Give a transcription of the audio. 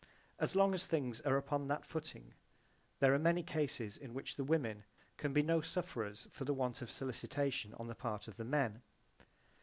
As long as things are upon that footing there are many cases in which the women can be no sufferers for the want of sollicitation on the part of the men.